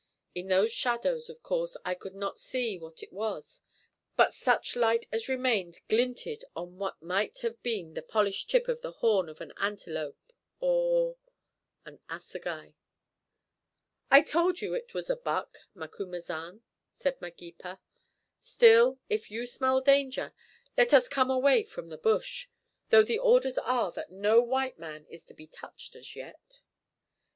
In those shadows, of course, I could not see what it was, but such light as remained glinted on what might have been the polished tip of the horn of an antelope or an assegai. "I told you it was a buck, Macumazahn," said Magepa. "Still, if you smell danger, let us come away from the bush, though the orders are that no white man is to be touched as yet."